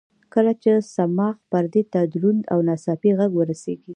کله چې صماخ پردې ته دروند او ناڅاپي غږ ورسېږي.